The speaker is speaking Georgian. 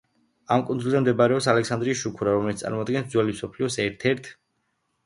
ამ კუნძულზე მდებარეობს ალექსანდრიის შუქურა, რომელიც წარმოადგენს ძველი მსოფლიოს ერთ–ერთ ცნობილ საოცრებას.